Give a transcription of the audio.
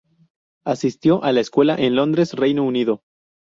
Asistió a la escuela en Londres, Reino Unido.